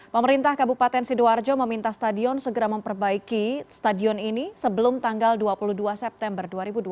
pemerintah kabupaten sidoarjo meminta stadion segera memperbaiki stadion ini sebelum tanggal dua puluh dua september dua ribu dua puluh